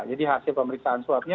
jadi hasil pemeriksaannya tidak dibuka